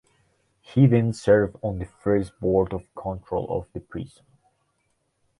He then served on the first board of control of the prison.